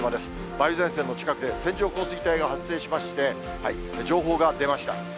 梅雨前線の近くで線状降水帯が発生しまして、情報が出ました。